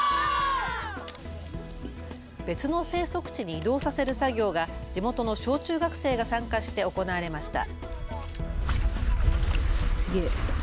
別の生息地に移動させる作業が地元の小中学生が参加して行われました。